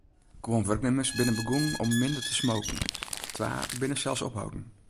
Guon wurknimmers binne begûn om minder te smoken, twa binne sels opholden.